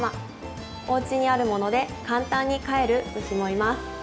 おうちにあるもので簡単に飼える虫もいます。